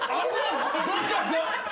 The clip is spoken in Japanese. どうしたんですか？